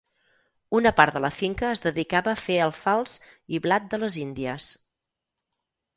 Una part de la finca es dedicava a fer alfals i blat de les índies.